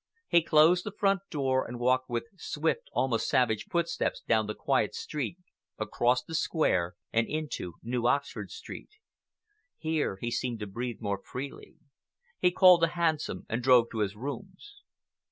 He closed the front door and walked with swift, almost savage footsteps down the quiet Street, across the Square, and into New Oxford Street. Here he seemed to breathe more freely. He called a hansom and drove to his rooms.